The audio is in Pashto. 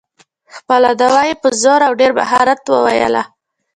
خپله دعوه یې په زور او ډېر مهارت وویله.